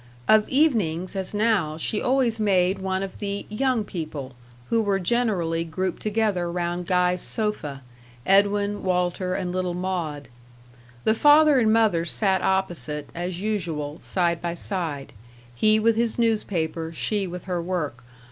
Of evenings, as now, she always made one of the "young people," who were generally grouped together round Guy's sofa Edwin, Walter, and little Maud. The father and mother sat opposite as usual, side by side, he with his newspaper, she with her work.